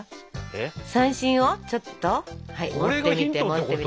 三線をちょっと持ってみて持ってみて。